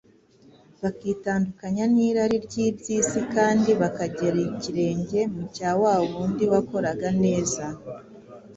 bakitandukanya n’irari ry’iby’isi kandi bakagera ikirenge mu cya wa wundi wakoraga neza.